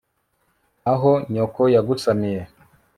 aho nyoko yagusamiye